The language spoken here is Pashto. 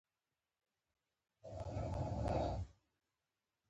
ایا زه باید کیک وخورم؟